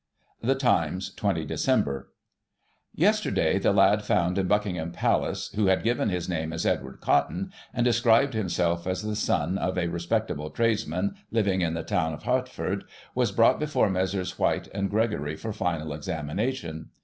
The Times, 20 Dec. — ^Yesterday, the lad found in Buck ingham Palace, who had given his name as Edward Cotton, and described himself as the son of a respectable tradesman living in the town of Hertford, was brought before Messrs. White and Gregorie for final examination.